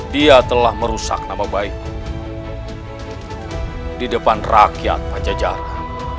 dia telah merusak nama baik di depan rakyat pajajaran